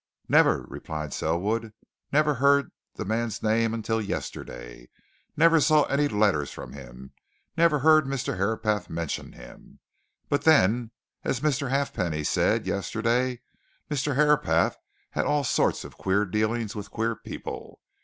"Never!" replied Selwood. "Never heard the man's name until yesterday never saw any letters from him, never heard Mr. Herapath mention him. But then, as Mr. Halfpenny said, yesterday, Mr. Herapath had all sorts of queer dealings with queer people.